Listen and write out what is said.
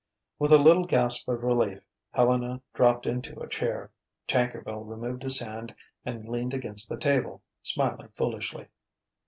With a little gasp of relief, Helena dropped into a chair. Tankerville removed his hand and leaned against the table, smiling foolishly.